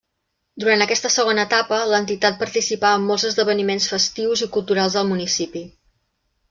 Durant aquesta segona etapa, l'entitat participà en molts esdeveniments festius i culturals del municipi.